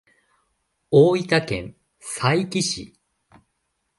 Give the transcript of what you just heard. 大分県佐伯市